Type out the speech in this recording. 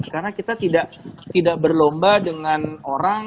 karena kita tidak berlomba dengan orang